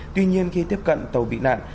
tuy nhiên khi tiếp cận tàu bị nạn